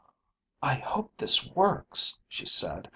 "I hope this works," she said.